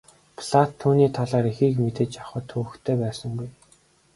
Платт түүний талаар ихийг мэдэж авахад төвөгтэй байсангүй.